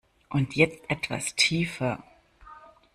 Und jetzt etwas tiefer!